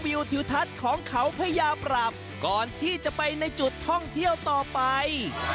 ทิวทัศน์ของเขาพญาปราบก่อนที่จะไปในจุดท่องเที่ยวต่อไป